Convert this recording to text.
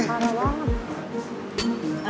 gak ada apa apa